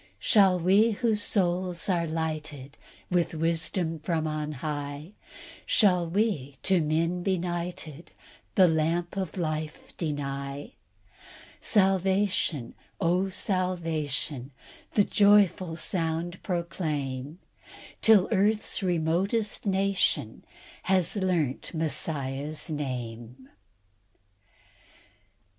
"Shall we, whose souls are lighted With wisdom from on high, Shall we to men benighted The lamp of life deny? Salvation, oh, salvation, The joyful sound proclaim, Till earth's remotest nation Has learnt Messiah's name."